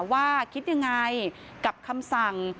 ว่าคิดยังไงกับคำสั่ง